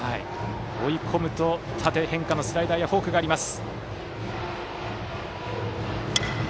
追い込むと縦変化のスライダーやフォークがあります。